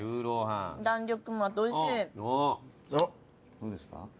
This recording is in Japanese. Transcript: どうですか？